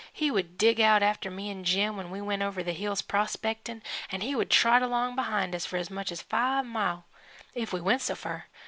He would dig out after me an' Jim when we went over the hills prospect'n', and he would trot along behind us for as much as five mile, if we went so fur.